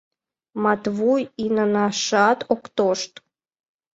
— Матвуй инанашат ок тошт.